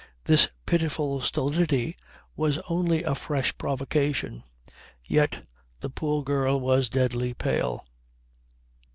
This pitiful stolidity was only a fresh provocation. Yet the poor girl was deadly pale.